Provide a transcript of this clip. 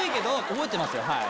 覚えてますよはい。